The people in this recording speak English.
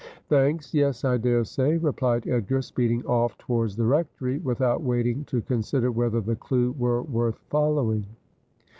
' Thanks, yes, I daresay,' replied Edgar, speeding off towards the Rectory without waiting to consider whether the clue were worth following.